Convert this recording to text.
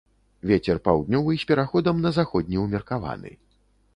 Вецер паўднёвы з пераходам на заходні ўмеркаваны.